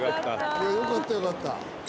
いやよかったよかった。